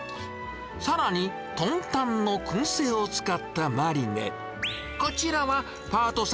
さらに、豚タンのくん製を使ったマリネ。